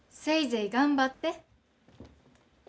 せいぜい頑張って。